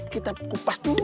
kita kupas dulu